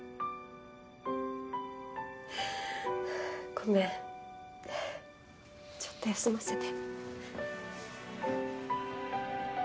ごめんちょっと休ませて。